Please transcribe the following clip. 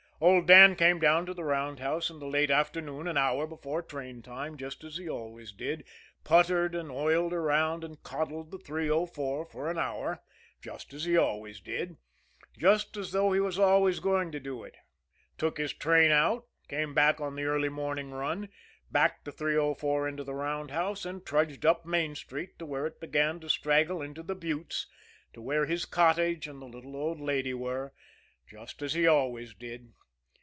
Old Dan came down to the roundhouse in the late afternoon an hour before train time, just as he always did, puttered and oiled around and coddled the 304 for an hour, just as he always did, just as though he was always going to do it, took his train out, came back on the early morning run, backed the 304 into the roundhouse, and trudged up Main Street to where it began to straggle into the buttes, to where his cottage and the little old lady were just as he always did.